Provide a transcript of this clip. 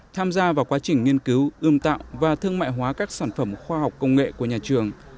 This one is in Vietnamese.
tham gia vào quá trình nghiên cứu ươm tạo và thương mại hóa các sản phẩm khoa học công nghệ của nhà trường